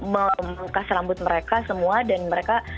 membengkas rambut mereka semua dan mereka